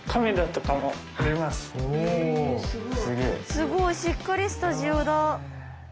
すごいしっかりスタジオだ。